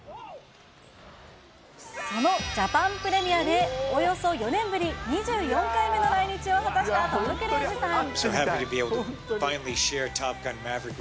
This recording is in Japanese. そのジャパンプレミアで、およそ４年ぶり２４回目の来日を果たしたトム・クルーズさん。